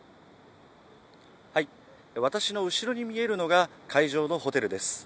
私の後ろに見えるのが、会場のホテルです。